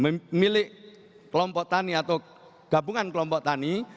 memiliki kelompok tani atau gabungan kelompok tani